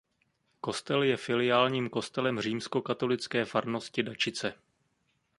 Kostel je filiálním kostelem římskokatolické farnosti Dačice.